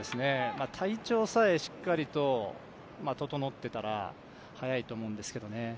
体調さえしっかりと整っていたら速いと思うんですけどね。